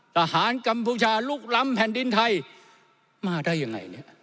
ทหารกัมพูชาลุกล้ำแผ่นดินไทยมาได้ยังไงเนี่ย